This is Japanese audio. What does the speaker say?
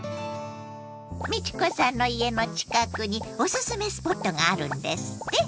美智子さんの家の近くにおすすめスポットがあるんですって？